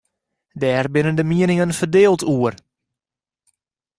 Dêr binne de mieningen ferdield oer.